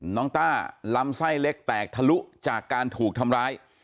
ต้าลำไส้เล็กแตกทะลุจากการถูกทำร้าย